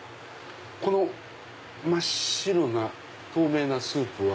この真っ白な透明なスープは。